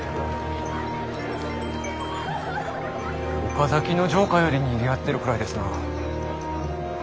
岡崎の城下よりにぎわってるくらいですなあ。